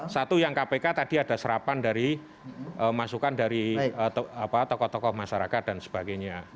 satu yang kpk tadi ada serapan dari masukan dari tokoh tokoh masyarakat dan sebagainya